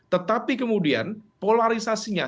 tetapi kemudian polarisasinya